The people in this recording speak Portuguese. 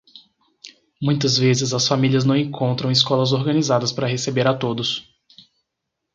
muitas vezes as famílias não encontram escolas organizadas para receber a todos